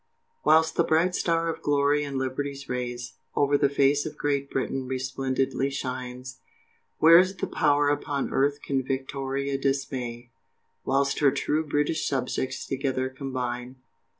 Whilst the bright star of glory in Liberty's rays, Over the face of Great Britain resplendently shines, Where's the power upon earth can Victoria dismay, Whilst her true British Subjects together combine.